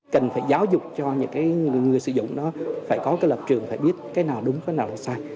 cần phải giáo dục cho những người sử dụng đó phải có lập trường phải biết cái nào đúng cái nào sai